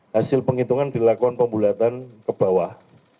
hasil penghitungan dilakukan pembulatan ke bawah